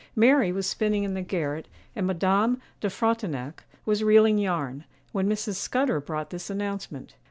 Mary was spinning in the garret, and Madame de Frontignac was reeling yarn, when Mrs. Scudder brought this announcement.